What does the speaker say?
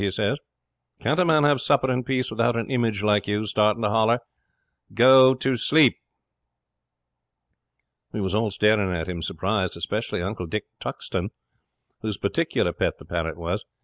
he says. "Can't a man have supper in peace without an image like you starting to holler? Go to sleep." 'We was all staring at him surprised, especially Uncle Dick Tuxton, whose particular pet the parrot was.